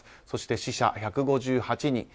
そして死者、１５８人。